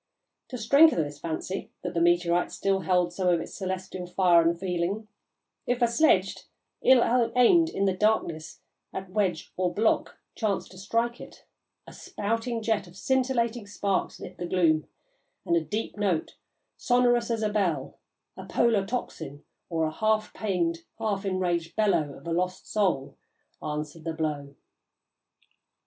To strengthen this fancy that the meteorite still held some of its celestial fire and feeling, if a sledge, ill aimed in the darkness at wedge or block, chanced to strike it, a spouting jet of scintillating sparks lit the gloom, and a deep note, sonorous as a bell, a Polar tocsin, or the half pained, half enraged bellow of a lost soul, answered the blow."